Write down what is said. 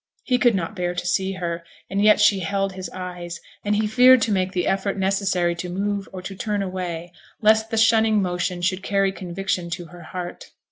He could not bear to see her, and yet she held his eyes, and he feared to make the effort necessary to move or to turn away, lest the shunning motion should carry conviction to her heart.